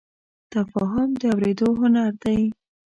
تفاهم د اورېدو هنر دی.